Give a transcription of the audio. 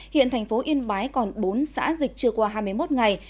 hiện thành phố yên bái còn bốn xã dịch chưa qua hai mươi một ngày